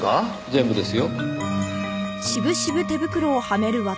全部ですよ。